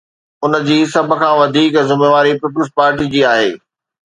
ان جي سڀ کان وڌيڪ ذميواري پيپلز پارٽيءَ جي آهي.